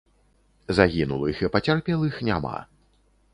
Загінулых і пацярпелых няма.